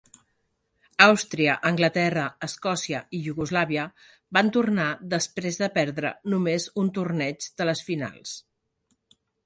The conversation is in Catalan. Àustria, Anglaterra, Escòcia i Iugoslàvia van tornar després de perdre només un torneig de les finals.